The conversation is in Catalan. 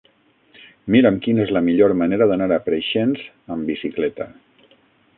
Mira'm quina és la millor manera d'anar a Preixens amb bicicleta.